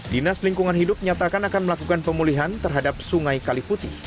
dinas lingkungan hidup nyatakan akan melakukan pemulihan terhadap sungai kaliputi